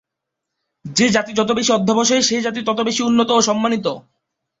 যে জাতি যত বেশি অধ্যবসায়ী সে জাতি তত বেশি উন্নত ও সম্মানিত।